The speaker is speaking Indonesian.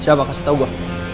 siapa kasih tau gua